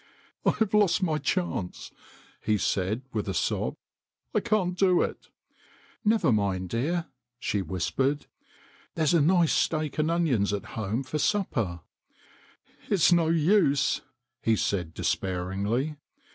" I've lost my chance," he said, with a sob ;" I can't do it I "" Never mind, dear," she whispered. " There's a nice steak and onions at home for supper." " It's no use," he said despairingly.